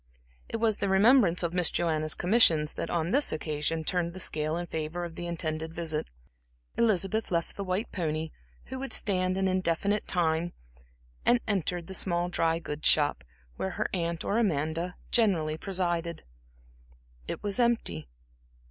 It was the remembrance of Miss Joanna's commissions that on this occasion turned the scale in favor of the intended visit. Elizabeth left the white pony, who would stand an indefinite time, and entered the small dry goods shop, where her aunt or Amanda generally presided. It was empty.